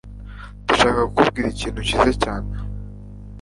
Ndashaka kukubwira ikintu cyiza cyane